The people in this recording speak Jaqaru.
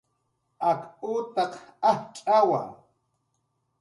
Ak utaq ajtz'awa